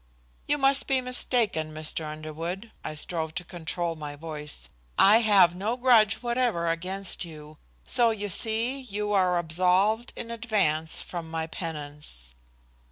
"You must be mistaken, Mr. Underwood." I strove to control my voice. "I have no grudge whatever against you, so you see you are absolved in advance from my penance."